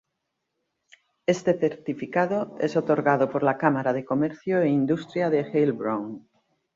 Este certificado es otorgado por la Cámara de Comercio e Industria de Heilbronn.